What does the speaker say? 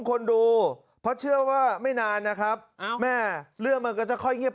คนดูเพราะเชื่อว่าไม่นานนะครับแม่เรื่องมันก็จะค่อยเงียบ